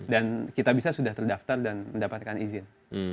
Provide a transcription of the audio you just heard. dan kitabisa sudah terdaftar dan mendapatkan izin